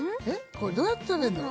これどうやって食べるの？